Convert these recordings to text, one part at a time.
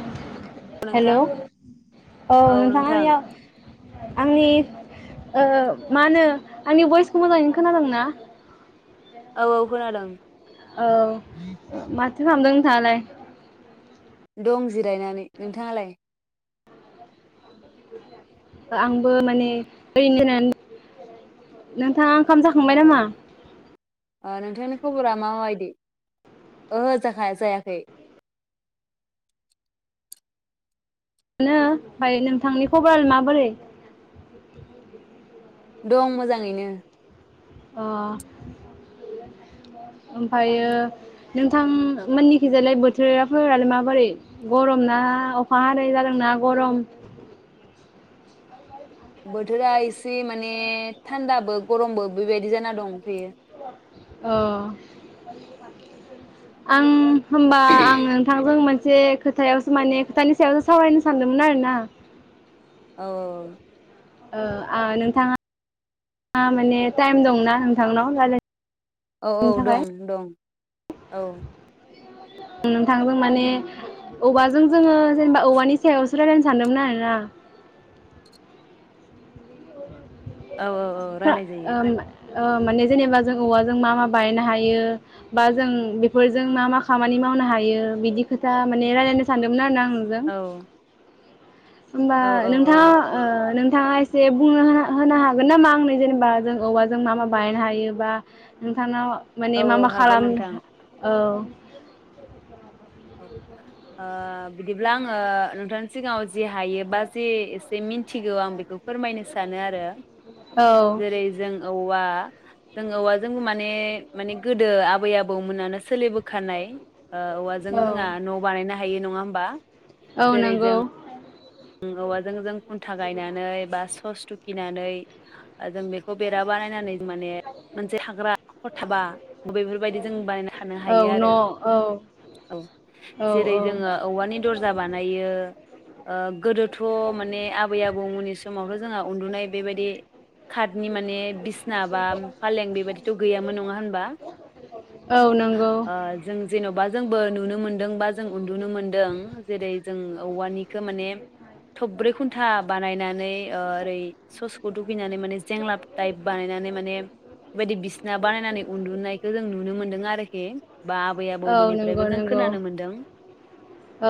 [inaudible] Hello नोंथां औ औ नोंथां नोंथाङा [unintelligible] आंनि ओ मा होनो आंनि भइसखौ मोजाङैनो खोनादों ना? औ औ खोनादों । ओ मा थो खामदों नोंथाङालाय? दं जिरायनानै । नोंथाङालाय? उह आंबो माने ओरैनो नोंथाङा खाम जाखांबाय नामा? अ नोंथांनि खबरा माबायदि? ओहो जोहा जायाखै। नो ओमफाय नोंथांनि खबर माबोरै? दं मोजाङैनो। अ ओमफायो नोंथां मोननिखिजालाय बोथोराफोरालाय माबोरै गरम ना अखा हानाय जादोंना गरम? बोथोरा एसे माने थान्दाबो गरमबो बेबायदि जाना दंथ'यो । अ आं होमबा आं नोंथांजों मोन से खोथायावसो माने खोथानि सायावसो सावरायनो सानदोंमोन आरो ना? औ औ औ ओ आ नोंथाङा माने टाइम दंना नोंथांनाव रायलाय औ औ दं दं। औ नोंथांजों माने औवाजों जोङो जेनोबा औवानि सायावसो रायलायनो सानदोंमोन आरोना। औ औ औ रायलाय जायो। ओम ओ माने जेनेबा जों औवाजों मा मा बायनायनो हायो बा जों बेफोरजों मा मा खामानि मावनो हायो बिदि खोथा माने रायलायनो सानदोंमोन आरोना आं नोंजों। औ होमबा औ औ औ नोंथाङा ओ नों थांङा एसे बुंङो हा-होनो हागोन नामा आंनो जेनोबा जों औवाजों मा मा बानायनो हायो? बा नोंथांनाव माने औ मा औ मा हागोन खालाम नोंथां? औ ओ बिदिब्ला आङो नोंथांनि सिगांङाव जि हायो बा जे एसे मिथिगौ आं बिखौ फोरमायनो सानो आरो। औ जेरै जों औवा जों औवाजों माने माने गोदो आबै आबौमोनानो सोलिबोखानाय। ओ औवाजों औ जोंहा न' बानायनो हा हायो नङा होमबा? औ जेरै नोंगौ। जों औवाजों जों खुन्था गायनानै बा सो फस थुखिनानै जों बेखौ बेरा बानायनानै माने मोनसे हाग्रा हाखर थाबा बेफोरबायदि जों बानायना थानो हायो औ न' आरो औ औ औ जेरै जोङो औवानि दर्जा बानायो। ओम। गोदोथ' माने आबै आबौमोननि समावथ' जोंहा उन्दुनाय बेबायदि कार्टनि माने बिसना बा फालें बेबायदिथ' गैयामोन नङा होनबा औ नंगौ। ओ जों जेन'बा जोंबो नुनो मोन्दों बा जों उन्दुनो मोनदों जेरै जों औवानिखौ माने थब्रै खुन्था बानायनानै ओरै ससेखौ दुगैनानै। माने जेंला टाइप बानायनानै माने बेबायदि बिसिना बानायनानै उन्दुनायखौ जों नुनो मोन्दों आरो। ए बा आबै औ आबौमोननिफ्रायबो नंगौ जों नंगौ खोनानो मोनदों औ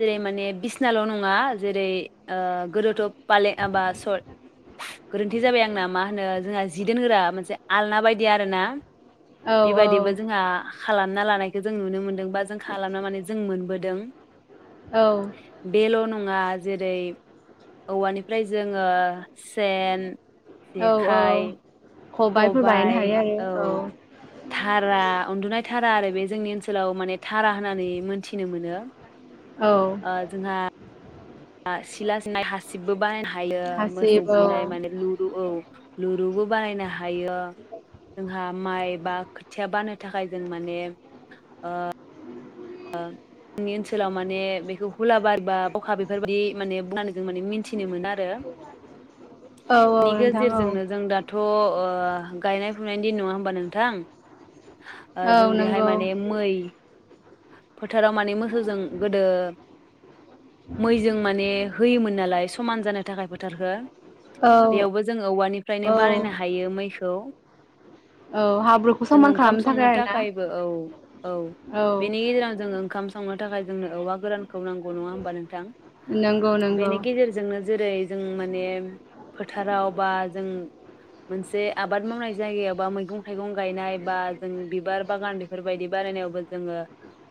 जेरै माने बि-' बिसिनाल' नङा मा जेरै ओ गोदोथ' पालें बा स गोरोन्थि जाबाय आंना मा होनो जोंहा जि दोनग्रा मोनसे आलना बायदि आरोना। औ बेबादिबो जोंहा खालामना लानायखौ जों नुनो मोनदों बा जों खालामनो माने जों मोनबोदों। औ। मुङा जेरै औवानिफ्राय जोङो सेन औ जेखाय। औ खबाइफोर बानायनो खबाइ हायो औ आरो धारा उन्दुनाय धारा धारा आरो बे जोंनि ओनसोलाव माने धारा होननानै मोन्थिनो मोनो। औ औ ओ जोंहा सिला सिनाय हासिबबो बानायनो हायो हायो मोसौ हासिब औ बुनाय माने लुदु औ लु दुबो बानायनो हा हायो जोंहा माइ बा खोथिया बाननो थाखाय जों माने ओ ओ जोंनि ओनसोलाव माने बेखौ हुला बारि बा बावखा बेफोरबायदि माने बुंनानै जों माने मिथि -खिनो मोनो आरो औ औ निगो नोंथां औ जेरजोंनो जों दाथ' ओ- ओ गायनाय फुनायनि दिन नङा होमबा नोंथां? जों औ बेहाय नंगौ माने मै फोथाराव माने मोसौजों गोदो मैजों माने होयोमोन नालाय समान जानो थाखाय फोथारखौ। औ बेयावबो जों औवानिफ्रायनो औ बानायनो हायो मैखौ। औ हाब्रुखौ जों समान ओंखाम खालामनो संनो थाखाय आरोना औ बे [unintelligible] जोङो ओंखाम संनो थाखाय जोंनो औवा गोरान खौ नांगौ नङा होनबा नोंथां नंगौ नंगौ बेनि गेजेरजोंनो जेरै जों माने फोथाराव बा जों मोनसे आबाद मावनाय जायगायावबा मैगं थाइगं गायनाय बा जों बिबार बागान बेफोरबायदि बारायनायावबो जोङो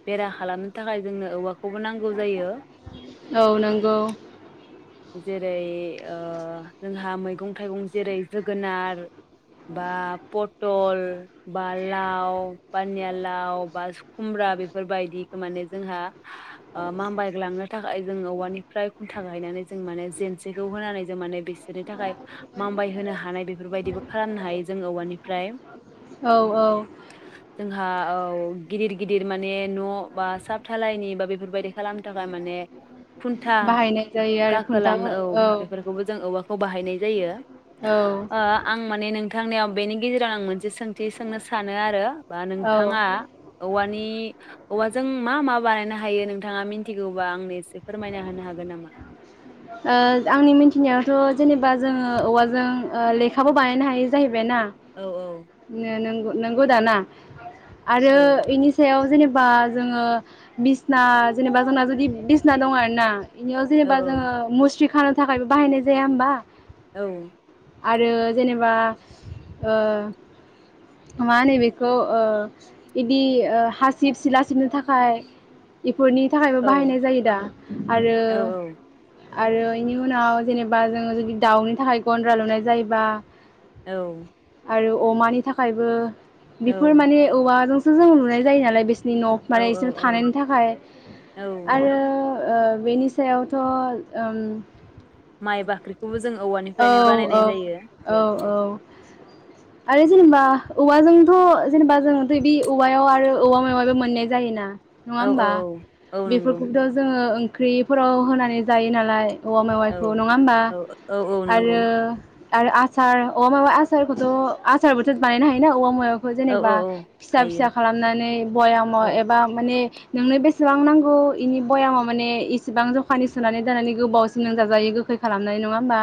बेरा खालामनो थाखाय जोंनो औवाखौबो नांगौ जायो औ नंगौ। जेरै ओ जोंहा मैगं थाइगं जेरै जोगोनार बा पटल बा लाव पानिया लाव बा खुमब्रा बेफोरबायदिखौ माने जोंहा ओ मामबायग्लांनो थाखाय जों औवानिफ्राय खुन्था गायनानै जों माने जेेनसेखौ होनानै जों माने बिसोरनि थाखाय मामबाय होनो हानाय बेफोरबायदिबो खालामनो हायो जों औवानिफ्राय। औ औ। जोंहा औ गिदिर गिदिर माने न' बा साब थालायनि बा बेफोरबायदि खालामनो थाखाय माने खुन्था बाहायनाय जायो आरो खुन्था गाखोलांनो औ बेफोरखौबो जों औवा खौ बाहायनाय जायो औ ओ औ आं माने नों थांनियाव बेनि गेजेराव आं मोनसे सोंथि सोंनो सानो आरो बा ओ नोंथाङा औवानि औवाजों मा मा बानायनो हायो नोंथाङा मिथिगौबा आंनो एसे फोरमायना होनो हागोन नामा? ओ आंनि मिथिनायावथ' जेनेबा जोङो औवाजों ओ लेखाबो बानायनो हायो जाहै बायना औ नो नों नोंगौ दाना आरो औ एनि सायाव जेने बा जोङो बिसना जेनेबा जोंना जुदि बिसना दङ आरोना बिनियाव औ जेनेबा जोङो मुस्रि खानो थाखायबो बाहायनाय जाया होमबा? औ आरो जेनेबा ओ मा होनो बेखौ ओ बिदि ओ हासिब सिला सिबनो थाखाय फोरनि थाखायबो औ बाहायनाय जायो दा आरो औ आरो एनि उनाव जेनेबा जोङो जुदि दाउनि थाखाय गन्द्रा लुनाय जायोबा औ आरो अमानि थाखायबो बेफोर माने औवा सो जों लुनाय जायो नालाय बिस नि न' माने औ औ इसोर औ थानायनि थाखाय औ आरो ओ बेनि सायावथ' ओं माइ बाख्रिखौबो जों औवानिफ्रायनो बानायनाय औ जायो। औ आरो जेनेबा औवाजोंथ' जेनेबा जोंङथ' बे औवायाव आरो औवा मायाब मोननाय जायोना नंङा औ होमबा? औ औ नंगौ बेफोरखौबोथ' जोंङो ओं ओंख्रिफोराव होनानै जायो नालाय औवा औ मावेवाइखौ नंङा होमबा? औ औ औ नंगौ आरो आरो आसार औवा माववा आसारखौथ' आसारबोथ' बानायनो हायो ना औवा माव खौ औ जेनेबा औ फिसा हायो फिसा खालामनानै बयाम औ एबा माने नोंनो बेसेबां नांगौ इनि बयामाव माने इसेबां जखानि सोनानै दोनानानै गोबावसिम लोंजाजायो गोखै खालामनाय नंङा होमबा?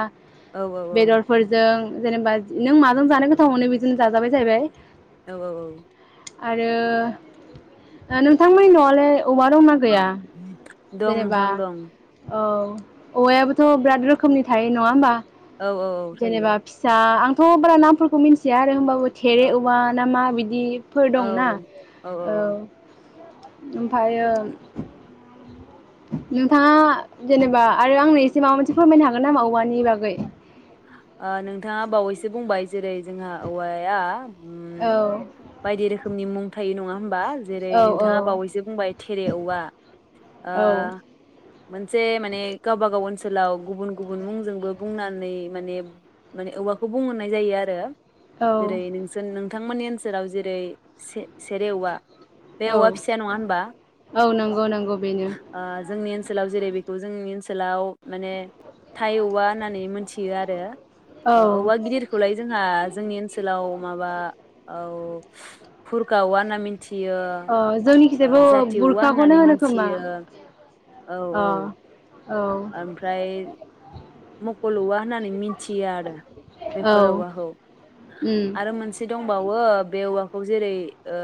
औ औ बेदरफोरजों जेनेबा नों माजों जानो गोथाव मोनो बेजोंनो जाजाबाय जाहैबाय। औ औ औ आरो ओ नोंथांमोन न'आलाय औवा दंना गैया दं जेनेबा नोंथां दं औ औवायाबोथ' बिराद रोखोमनि थायो न नंङा होमबा? औ औ थायो जेनेबा फिसा आं थ' बाराामफोरखौ मिन्थिया आरो होमबाबो थेरे औ उवा ना मा बिद दिब फोर दंना औ ओमफायो नोंथांङा जेनेबा आरो आंनो एसे माबा मोनसे फोरमायनो हागोन नामा? औवानि नि बागै ओ नोंथांङा बावैसो बुंबाय जेरै जोंहा औवाया उम औ बायदि रोखोमनि मुं थायो नंङा बा जेरै औ नोंथांङा बावैसो बुंबाय थेरे औवा ओ औ मोनसे माने गावबागाव ओनसोलाव गुबुन गुबुन मुंजोंबो बुंनानै माने माने औवाखौ बुंहरनाय जायो आरो जेरै नोंसोरनों बिथांमोननि ओनसोलाव जेरै से-सेरेवा बे औ औवा फिसाया नंङा होनबा? औ नंगौ नंगौ बेनो जोंनि ओ सोलाव जेरै बेखौ जोंनि ओनसोलाव माने थाइ औवा होननानै मोनथि यो आरो। औ ओ औवा गिदिरखौलाय जोंहा जोंनि ओनसोलाव माबा औ फुर गावा मिथियो अ ओ जोंनिखिजायबो जाथि औवा बुरखाखौनो होननानै होनो खोमा मिथियो औ औ अ औ ओमफ्राय मख'ल'वा होननानै मिथ मिथियो आरो औ बेफोर औवाखौ उम आरो मोनसे दंबावो बे औवाख खौ जेरै ओ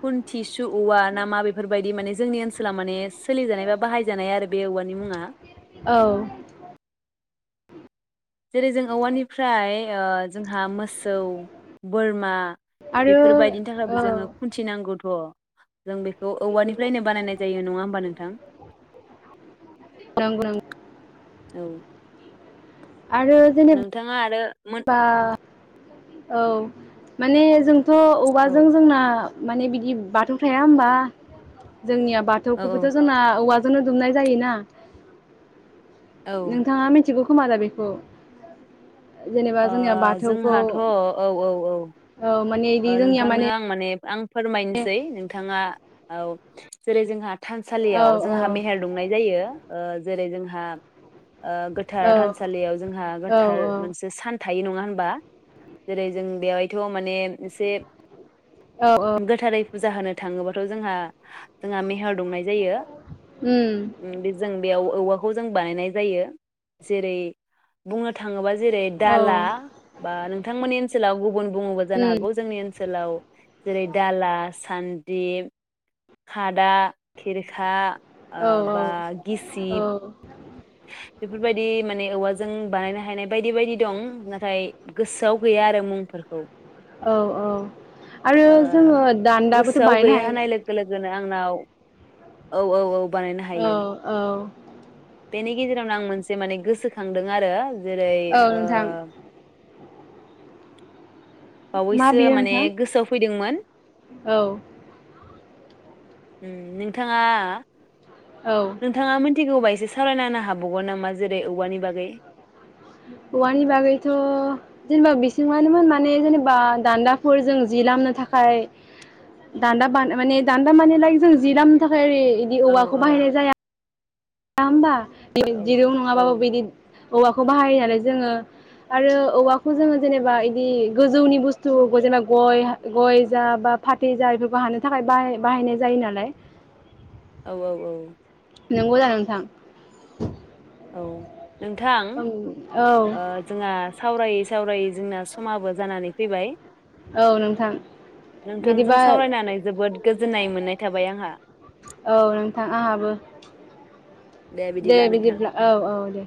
खुन्थिसु औवा नाामा बेफोरबायदि माने जोंनि ओनसोला माने सोलिजानाय बा बाहायजानाय आरो बे औवानि मुङा। औ जेरै जों औवानिफ्राय ओ जोंहा मोसौ बोरमा आरो बेफोरबायदिनि थाखायबो औ जोङो खुन्थिनांगौ। अ जों बेखौ औवानिफ्रायनो बानायनाय जायो नङा ओमबा नोंथां। [unintelligible] औ नोंथाङा आरो मोन बा औ माने जों थ औ औवाजों जोंना माने बिदि बाथौ थाया होमबा जोंनिया औ बाथौखौबोथ' जोंना औवा नो दुमनाय जायोना? औ ओ नोंथाङा मिथिगौ [unintelligible] ओ जोंनिया बाथौखौ जोंहाथ औ औ औ माने इदि जोंनिया नोंथांनो माने आं आं फोरमायनोसै नोंथाङा औ जेरै जोंहा औ थानसालियाव औ जोंहा मेहेर दुंनाय जायो । ओ जेरै जोंहा ओ गोथार औ थानसालियाव जोंहा औ गोथार मोनसे सान थायो नङा होनबा जेरै जों बेवायथ' माने एसे औ औ गोथारै फुजा होनो थाङोबाथ' जोंहा जोंहा मेह'र दुंनाय जायो उम ओम जों बेयाव औवाखौ जों बानायनाय जायो जेरै बुंनो थाङोबा जेरै औ दाला बा नोंथांमोननि सोलाव गुबुन बुङोबो जानो उम हागौ जोंनि ओनसोलाव जेरै दाला सान्द्रि खादा खिरखा ओ औ बा औ गिसिब बेफोरबायदि माने औवाजों बानायनो हानाय बायदि बायदि दं नाथाय गोसोआव गैया आरो मुंफोरखौ औ औ आरो ओ जोंङो दान्दाबोथ' गोसोआव बायनो गैया हायो होनाय लोगो लोगोनो आंनाव औ औ औ बानायनो औ हायो औ । बेनि गेजेरावनो आं मोनसे माने गोसोखांदों आरो जेरै औ ओ नोंथां मा बावैसो बेयो माने नोंथां गोसोआव फैदोंमोन औ ओम नोंथाङा औ नोंथाङा मोन्थिगौबा एसे सावरायना होनो हाबावगोन नामा जेरै औवानि बागै? औवानि बागैथ' जेनेबा बिसिङानोमोन माने जेनेबा दान्दाफोर जों जि लामनो थाखाय दान्दा बा माने दान्दा माने लाइक जों जि लामनो थाखाय ओरै बिदि औ औवाखौ बाहायनाय जाया लामबा [unintelligible] औ दिरौ औ नङाबाबो बिदि औवाखौ बाहायो नालाय जोंङो आरो औवाखौ जोंङो जेनेबा इदि गोजौनि बुस्थु जेनेबा गय गय जा बा फाथै जा बेफोरखौ हानो थाखाय बाहाय- बाहायनाय जायो नालाय औ औ औ । नोंगौ जानो नोंथां औ । नोंथां औ ओ जोंहा सावराय सावराय जोंना समाबो जानानै फैबाय औ नोंथां । नोंथांजों सावरायनानै जोबोद गोजोननाय मोननाय थाबाय आंहा नोंथां आंहाबो दे बिदिब्ला नोंथां । औ औ दे